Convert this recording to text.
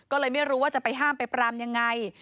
ก็เลยไม่รู้ว่าจะไปห้ามไปปรามยังไง